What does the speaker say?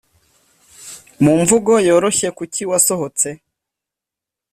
mu mvugo yoroshye kuki wasohotse‽